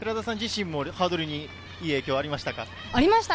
ハードルにいい影響はありましたか？